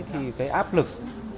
thì cái áp lực